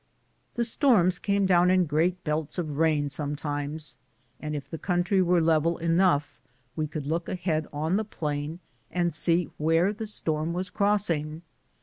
The storms came down in great belts of rain sometimes, and if the country were level enough we could look ahead on the plain and see where the storm was crossing.